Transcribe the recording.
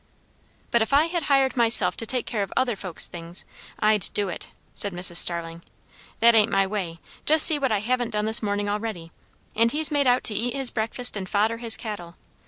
"But if I had hired myself to take care of other folks' things, I'd do it," said Mrs. Starling. "That ain't my way. Just see what I haven't done this morning already! and he's made out to eat his breakfast and fodder his cattle.